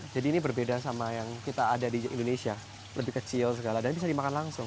jadi ini berbeda sama yang kita ada di indonesia lebih kecil segala dan bisa dimakan langsung